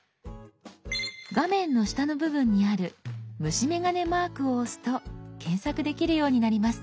画面の下の部分にある虫眼鏡マークを押すと検索できるようになります。